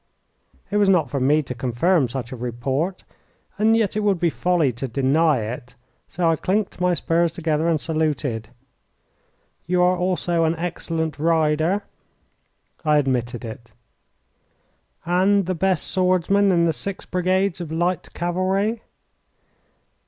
It was not for me to confirm such a report, and yet it would be folly to deny it, so I clinked my spurs together and saluted. "You are also an excellent rider." I admitted it. "And the best swordsman in the six brigades of light cavalry."